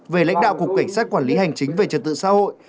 về lãnh đạo cục cảnh sát quản lý hành chính về trật tự xã hội